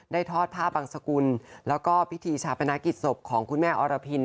ทอดผ้าบังสกุลแล้วก็พิธีชาปนกิจศพของคุณแม่อรพิน